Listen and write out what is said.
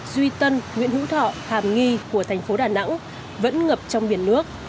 duy tân nguyễn hữu thọ hàm nghi của thành phố đà nẵng vẫn ngập trong biển nước